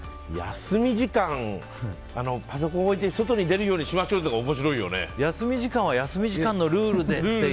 休み時間、パソコン置いて外出るようにしましょうって休み時間は休み時間のルールでっていう。